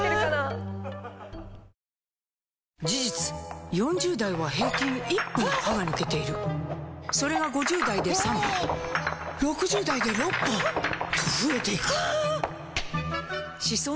事実４０代は平均１本歯が抜けているそれが５０代で３本６０代で６本と増えていく歯槽